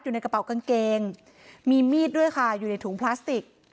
อยู่ในกระเป๋ากางเกงมีมีดด้วยค่ะอยู่ในถุงพลาสติก